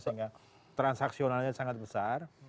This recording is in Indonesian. sehingga transaksionalnya sangat besar